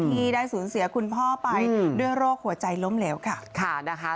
ที่ได้สูญเสียคุณพ่อไปด้วยโรคหัวใจล้มเหลวค่ะนะคะ